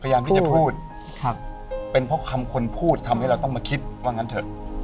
พยายามที่จะพูดครับเป็นเพราะคำคนพูดทำให้เราต้องมาคิดว่างั้นเถอะ